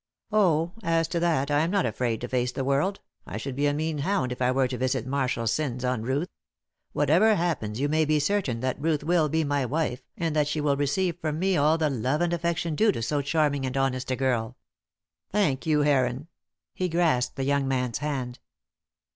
"Oh, as to that I am not afraid to face the world. I should be a mean hound if I were to visit Marshall's sins on Ruth. Whatever happens, you may be certain that Ruth will be my wife, and that she will receive from me all the love and affection due to so charming and honest a girl." "Thank you, Heron." He grasped the young man's hand.